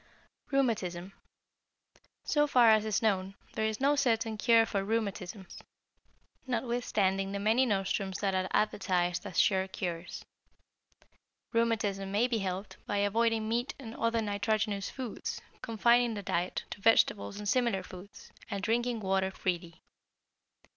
=Rheumatism.= So far as is known, there is no certain cure for rheumatism, notwithstanding the many nostrums that are advertised as sure cures. Rheumatism may be helped by avoiding meat and other nitrogenous foods, confining the diet to vegetables and similar foods, and drinking water freely.